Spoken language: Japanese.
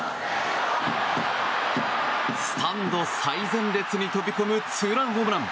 スタンド最前列に飛び込むツーランホームラン。